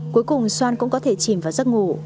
cuối cùng xoan cũng có thể chìm vào giấc ngủ